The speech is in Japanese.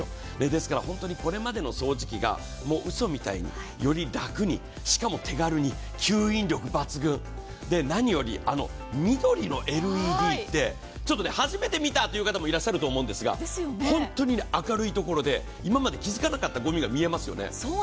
本当にこれまでの掃除機がうそみたいに、より楽に、しかも手軽に、吸引力抜群何より緑のＬＥＤってちょっと初めて見たという方もいると思うんですが、明るいところで今まで気付かなかったごみが見えますよね。